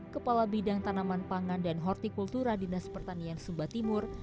kepala bidang tanaman pangan dan hortikultura dinas pertanian sumba timur